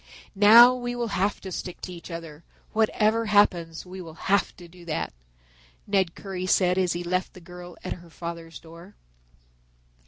"Now we will have to stick to each other, whatever happens we will have to do that," Ned Currie said as he left the girl at her father's door.